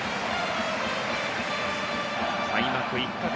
開幕１か月